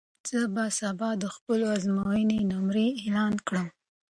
زه به سبا د خپلو ازموینو نمرې اعلان کړم.